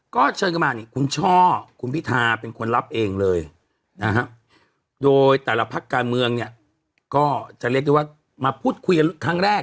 ก็เชิญกันมานี่คุณช่อคุณพิธาเป็นคนรับเองเลยนะฮะโดยแต่ละพักการเมืองเนี่ยก็จะเรียกได้ว่ามาพูดคุยกันครั้งแรก